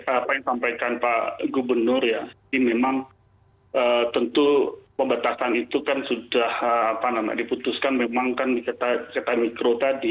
apa yang sampaikan pak gubernur ya jadi memang tentu pembatasan itu kan sudah diputuskan memang kan di kereta mikro tadi